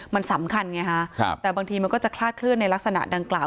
มันสำคัญไงฮะแต่บางทีมันก็จะคลาดเคลื่อนในลักษณะดังกล่าว